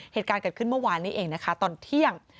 เหตุการณ์เกิดขึ้นเมื่อวานนี้เองนะคะตอนเที่ยง